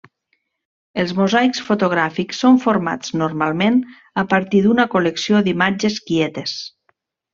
Els mosaics fotogràfics són formats, normalment, a partir d'una col·lecció d'imatges quietes.